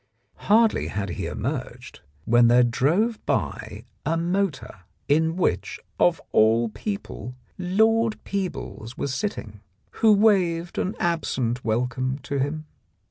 Hardly had he emerged when there drove by a motor in which, of all people, Lord Peebles was sitting, who waved an absent welcome to him.